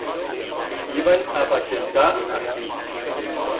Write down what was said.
Iban a paixentar astí.